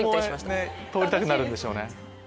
子供が通りたくなるんでしょうね。